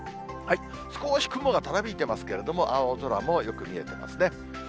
すこーし雲がたなびいてますけれども、青空もよく見えてますね。